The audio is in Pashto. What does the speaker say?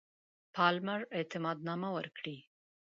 پالمر اعتماد نامه ورکړي.